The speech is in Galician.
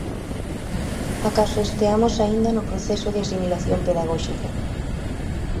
Acaso esteamos aínda no proceso de asimilación pedagóxica.